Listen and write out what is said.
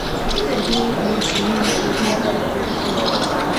د دې ماشینونو تیغونه ښه تیره کیږي